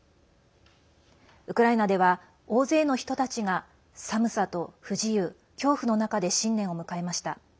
ウクライナでは、大勢の人たちが寒さと不自由、恐怖の中で新年を迎えました。